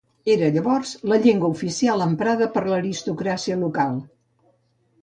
Era, llavors, la llengua oficial emprada per l'aristocràcia local.